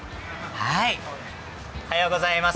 おはようございます。